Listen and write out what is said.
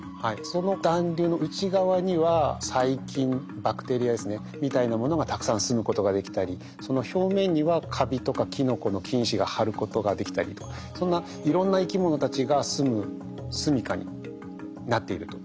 その団粒の内側には細菌バクテリアですねみたいなものがたくさんすむことができたりその表面にはカビとかキノコの菌糸が張ることができたりとそんないろんな生き物たちがすむすみかになっていると。